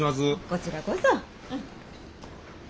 こちらこそ。